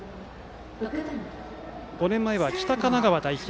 ５年前は北神奈川代表。